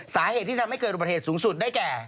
สาเหตุที่ทำให้เกิดอุบัติเหตุสูงสุดได้แก่